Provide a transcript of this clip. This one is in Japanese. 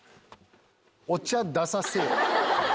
「お茶ださせよ」。